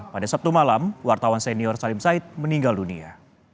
pada sabtu malam wartawan senior salim said meninggal dunia